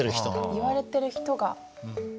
言われてる人が。